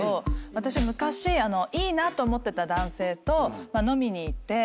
私昔いいなと思ってた男性と飲みに行って。